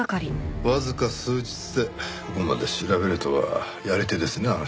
わずか数日でここまで調べるとはやり手ですね